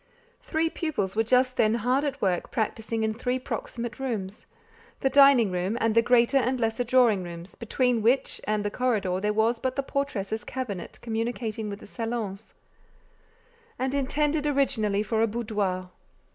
Three pupils were just then hard at work practising in three proximate rooms—the dining room and the greater and lesser drawing rooms, between which and the corridor there was but the portress's cabinet communicating with the salons, and intended originally for a boudoir.